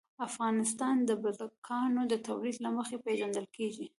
افغانستان د بزګانو د تولید له مخې پېژندل کېږي.